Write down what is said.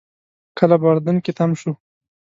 کله به اردن کې تم شو.